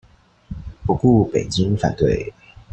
不顧北京反對